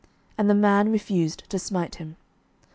And the man refused to smite him.